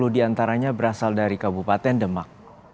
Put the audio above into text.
sembilan ratus lima puluh diantaranya berasal dari kabupaten demak